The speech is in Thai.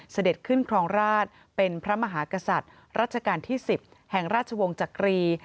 เสด็จขึ้นครองราชเป็นพระมหากษัตริย์รัชกาลที่๑๐แห่งราชวงศ์จักรี